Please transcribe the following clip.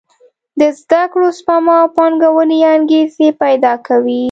د زده کړو، سپما او پانګونې انګېزې پېدا کوي.